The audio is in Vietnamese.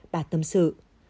bà tâm sự